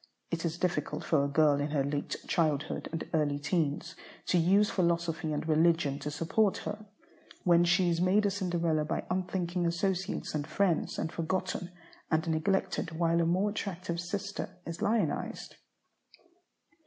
It is difficult for a girl in her late childhood and early teens to use philosophy and religion to support her, when she is made a Cinderella by unthinking associates and friends, and forgotten and neglected while a more attractive sister is lionized.